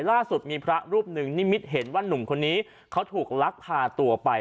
ล่าสุดมีพระรูปหนึ่งนิมิตเห็นว่านุ่มคนนี้เขาถูกลักพาตัวไป